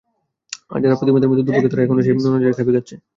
আর, যারা প্রতিমাদের মতো দুর্ভাগা, তারা এখনো সেই নোনা জলেই খাবি খাচ্ছে।